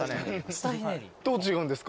どう違うんですか？